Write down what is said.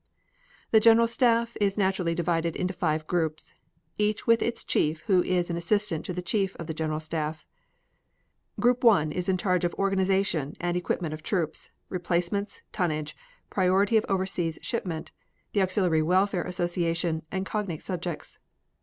The General Staff is naturally divided into five groups, each with its chief who is an assistant to the Chief of the General Staff. G. 1 is in charge of organization and equipment of troops, replacements, tonnage, priority of overseas shipment, the auxiliary welfare association and cognate subjects; G.